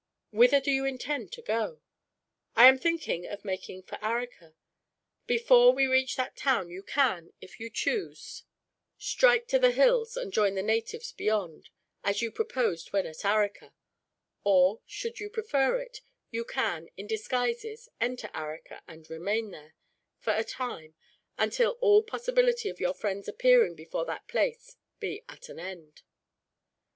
"Whither do you intend to go?" "I am thinking of making for Arica. Before we reach that town you can, if you choose, strike to the hills and join the natives beyond, as you proposed when at Arica; or, should you prefer it, you can, in disguises, enter Arica and remain there, for a time, until all possibility of your friends appearing before that place be at an end.